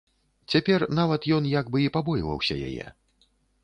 Цяпер нават ён як бы і пабойваўся яе.